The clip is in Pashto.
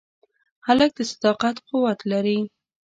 هلک د صداقت قوت لري.